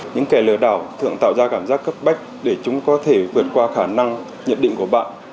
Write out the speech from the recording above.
những kẻ lừa đảo thường tạo ra cảm giác cấp bách để chúng có thể vượt qua khả năng nhận định của bạn